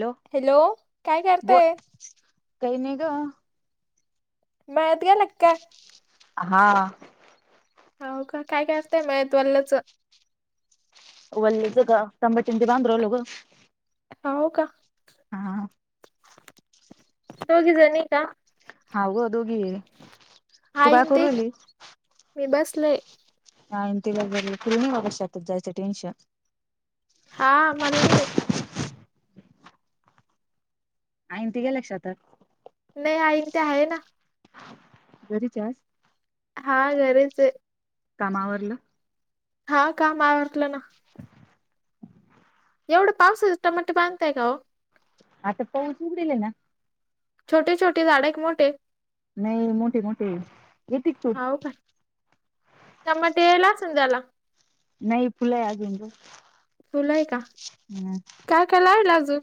Hello काय बो करताय काही नाही गं मळ्यात गेलात काय? हा हो का? काय काय असतंय मळ्यात वाल्याच. वल्याच का? टमाटे न ते बांधू राहिलो गं. हो का? हा दोघीजणी आहे का? हाव गं दोघी आहे. तू काय आईन करू ते राहिली? मी बसले. हा आणि तिला तर बिलकुल नाही बाबा शेतात जायचं टेन्शन हा मला नाहिये. आणती का लक्षात नाही आई अन ते आहे ना घरीच आहेत. हा घरीच आहे काम आवरलं? हा काम आवरलं ना. [inaudible] एवढं पावसाचे टमाटे बांधताय का ओ आता पाऊस उघडेले ना छोटे छोटे झाड आहे का मोठे नाही मोठीे मोठीे. येती का तू? टमाटे लाच द्याला नाही फुले आहे आजून गं फुलं आहे का काय काय लावीला अजून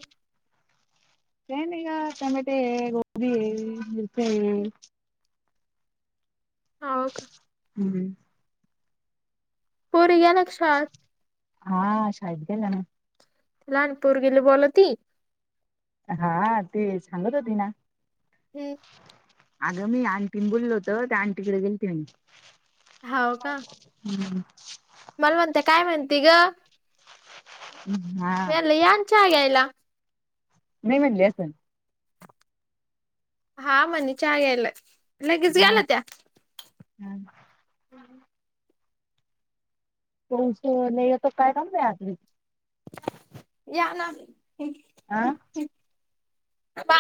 काय नाही गं. टमाटे आहे, गोबी आहे, मिरची आहे. हौ का हम्म पोरी या नक्षात हा..... शाळेत गेला ना. लहान पोरगीला बोलवती. हा ते सांगत होती ना. हम्म. अगं मी आंटी बोलल होत त्या आंटीकडे गेलते मी हाव का हम्म. मला म्हणती. काय म्हणती गं. हा मी म्हणलं. या ना च्या घ्यायला. नाही म्हटली असंल. हा म्हणली. चहा घायला लगेच गेला त्या. हम्. [unintelligible] नाहीयता काय [unintelligible] या ना. आह. बा